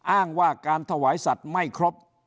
อ้างว่าการถวายสัตว์ไม่ครบ